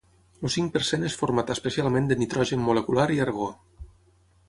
El cinc per cent és format especialment de nitrogen molecular i argó.